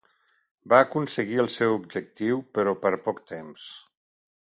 Va aconseguir el seu objectiu però per poc temps.